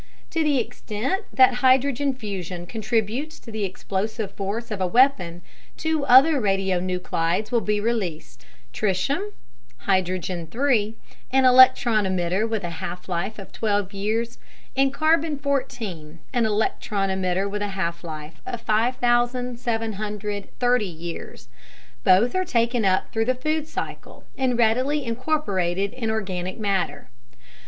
To the extent that hydrogen fusion contributes to the explosive force of a weapon, two other radionuclides will be released: tritium (hydrogen 3), an electron emitter with a half life of 12 years, and carbon 14, an electron emitter with a half life of 5,730 years. Both are taken up through the food cycle and readily incorporated in organic matter.